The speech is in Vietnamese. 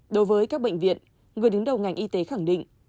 đối với các bệnh viện người đứng đầu ngành y tế khẳng định